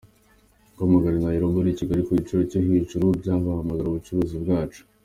’ Guhamagara I Nairobi uri Kigali ku giciro cyo hejuru byabangamiraga ubucuruzi bwacu.